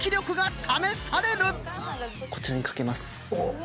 こちらにかけます。